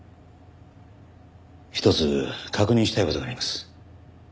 一つ確認したい事があります。